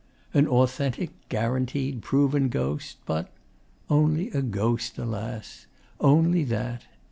An authentic, guaranteed, proven ghost, but only a ghost, alas! Only that.